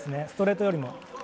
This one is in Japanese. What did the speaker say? ストレートよりも。